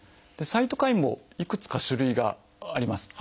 サイトカインもいくつか種類があります。